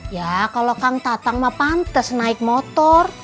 ya kalau kang tatang mah pantes naik motor